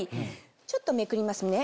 ちょっとめくりますね